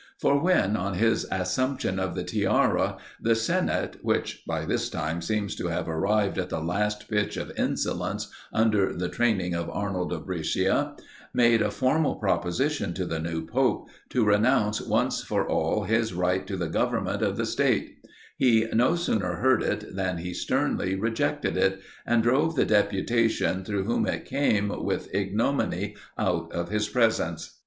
For when, on his assumption of the tiara, the senate, which by this time seems to have arrived at the last pitch of insolence, under the training of Arnold of Brescia, made a formal proposition to the new pope, to renounce once for all his right to the government of the state; he no sooner heard it than he sternly rejected it, and drove the deputation through whom it came with ignominy out of his presence.